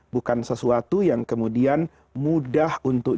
bukan sesuatu yang kemudian mudah untuk